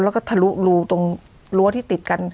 แล้วก็ทะลุรัวที่ติดกัน